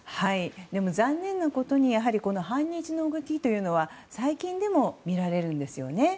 でも残念なことに反日の動きというのは最近でもみられるんですよね。